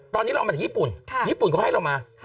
ตอนนี้เรามันไปให้ปุ่นใช่ปุ่นให้เรามา